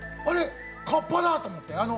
あれ、かっぱだ！と思って。